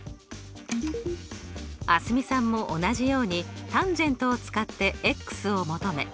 蒼澄さんも同じようにｔａｎを使ってを求め